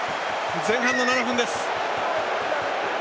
前半の７分です。